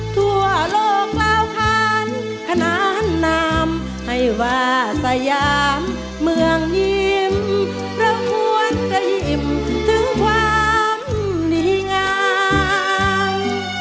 ทั่วโลกเปล่าคานขนาดนามให้วาสยามเมืองนิ่มเราควรได้ยิ้มถึงความดีงาม